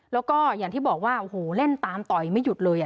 แล้วก็อย่างที่บอกว่าโอ้โหเล่นตามต่อยไม่หยุดเลย